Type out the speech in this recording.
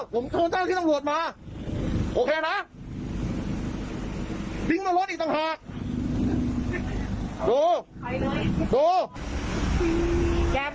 แล้วนั่งรอผมโทรเจ้าที่ตังหลวดมาโอเคน่ะบิงมารถอีกต่างหาก